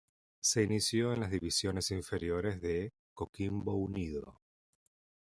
Se inició en las divisiones inferiores de Coquimbo Unido.